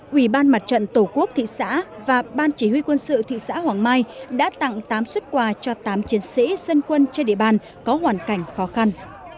quỹ ban mặt trận tổ quốc thị xã và ban chỉ huy quân sự thị xã hoàng mai đã tặng tám xuất quà cho tám chiến sĩ dân quân trên địa bàn có hoàn cảnh khó khăn